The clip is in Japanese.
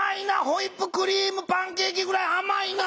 ホイップクリームパンケーキぐらいあまいな。